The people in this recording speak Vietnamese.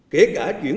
kể cả chuyển qua